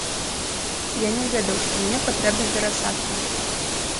Я не ведаў, што мне патрэбная перасадка.